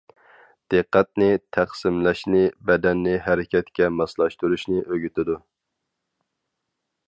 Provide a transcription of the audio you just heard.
دىققەتنى تەقسىملەشنى، بەدەننى ھەرىكەتكە ماسلاشتۇرۇشنى ئۆگىتىدۇ.